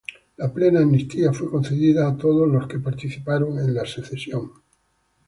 La plena amnistía fue concedida a todos los que participaron en la secesión.